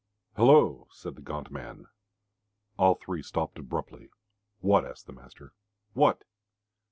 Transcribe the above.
"Hullo!" said the gaunt man. All three stopped abruptly. "What?" asked the master. "What?"